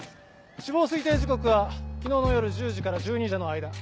死亡推定時刻は昨日の夜１０時から１２時の間。